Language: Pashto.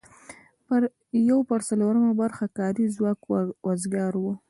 یو پر څلورمه برخه کاري ځواک وزګار و.